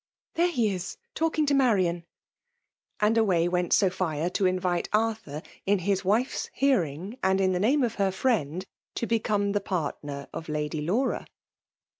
'*'* There he is> talking to Marian )and away went Sophia to invite Arthur^ in his wife's hearing and in the name of her friend, to become the partner of Lady Laura.